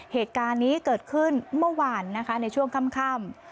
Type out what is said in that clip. เหตุการณ์นี้เกิดขึ้นเมื่อวานนะคะในช่วงค่ำ